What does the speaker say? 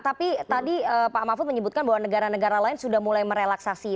tapi tadi pak mahfud menyebutkan bahwa negara negara lain sudah mulai merelaksasi